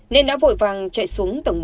nên đã vội vàng chạy xuống tầng một